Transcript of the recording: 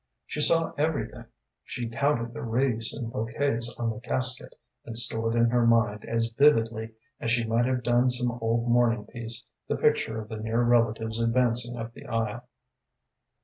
She saw everything; she counted the wreaths and bouquets on the casket, and stored in her mind, as vividly as she might have done some old mourning piece, the picture of the near relatives advancing up the aisle.